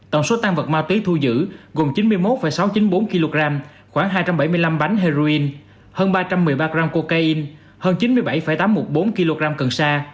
tổng số tan vật ma túy thu giữ gồm chín mươi một sáu trăm chín mươi bốn kg khoảng hai trăm bảy mươi năm bánh heroin hơn ba trăm một mươi ba gram cocaine hơn chín mươi bảy tám trăm một mươi bốn kg cần sa